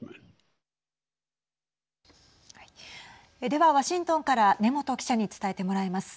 では、ワシントンから根本記者に伝えてもらいます。